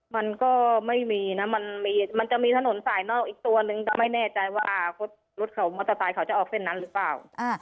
มันก็ไม่มีนะมันจะมีถนนสายนอกอีกตัวนึงก็ไม่แน่ใจว่ารถเขามอเตอร์ไซค์เขาจะออกเส้นนั้นหรือเปล่า